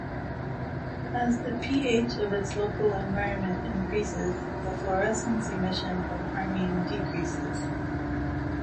As the pH of its local environment increases, the fluorescence emission of harmine decreases.